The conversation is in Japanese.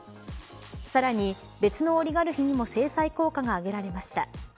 さらに別のオリガルヒにも制裁効果があげられました。